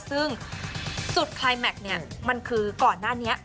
ซึ่งจุดคลายแมคมันคือก่อนหน้านี้